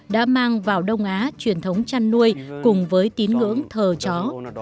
đã mang vào đông á truyền thống chăn nuôi cùng với tín ngưỡng thờ chó